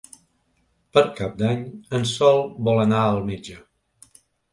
Per Cap d'Any en Sol vol anar al metge.